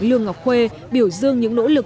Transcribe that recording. lương ngọc khuê biểu dương những nỗ lực